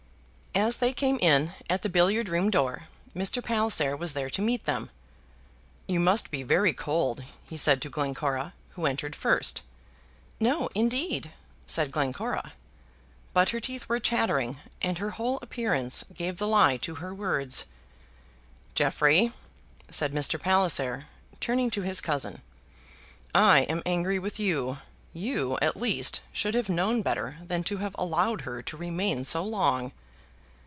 As they came in at the billiard room door, Mr. Palliser was there to meet them. "You must be very cold," he said to Glencora, who entered first. "No, indeed," said Glencora; but her teeth were chattering, and her whole appearance gave the lie to her words. "Jeffrey," said Mr. Palliser, turning to his cousin, "I am angry with you. You, at least, should have known better than to have allowed her to remain so long."